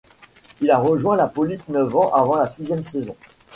Il a rejoint la police neuf ans avant la sixième saison.